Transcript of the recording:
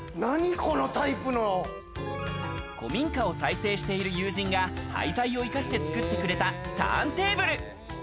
古民家を再生している友人が廃材を生かして作ってくれたターンテーブル。